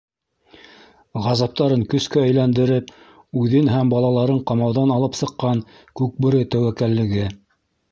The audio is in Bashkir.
Ғазаптарын көскә әйләндереп, үҙен һәм балаларын ҡамауҙан алып сыҡҡан Күкбүре тәүәккәллеге.